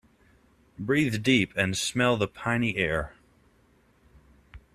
Breathe deep and smell the piny air.